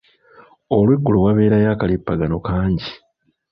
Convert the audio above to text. Olweggulo wabeerayo akalippagano kangi.